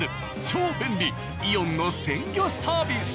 超便利「イオン」の鮮魚サービス。